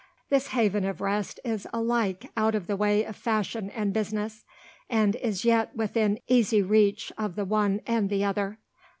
This haven of rest is alike out of the way of fashion and business; and is yet within easy reach of the one and the other.